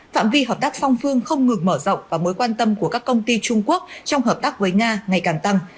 phạm vi hợp tác song phương không ngừng mở rộng và mối quan tâm của các công ty trung quốc trong hợp tác với nga ngày càng tăng